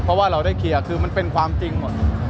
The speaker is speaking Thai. เพราะว่าเราได้เคลียร์คือมันเป็นความจริงหมด